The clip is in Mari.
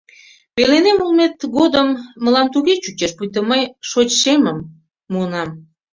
Пеленем улмет годым мылам туге чучеш, пуйто мый шочшемым муынам.